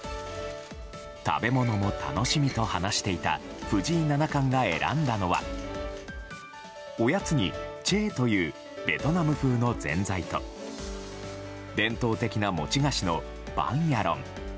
食べ物も楽しみと話していた藤井七冠が選んだのはおやつにチェーというベトナム風のぜんざいと伝統的な餅菓子のバンヤロン。